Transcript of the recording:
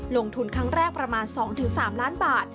ลงทุนครั้งแรกประมาณ๒๓ล้านบาท